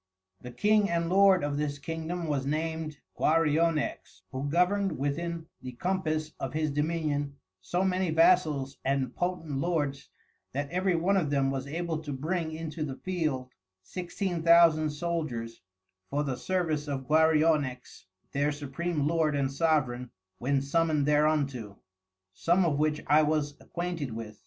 The King and Lord of this Kingdom was named Guarionex, who governed within the Compass of his Dominions so many Vassals and Potent Lords, that every one of them was able to bring into the Field Sixteen Thousand Soldiers for the service of Guarionex their Supream Lord and Soverain, when summoned thereunto. Some of which I was acquainted with.